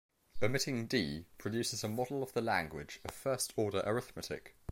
Omitting "D" produces a model of the language of first order arithmetic.